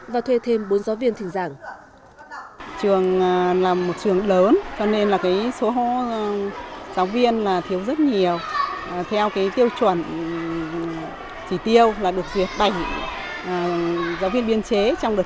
và thuê thêm bốn giáo viên thỉnh giảng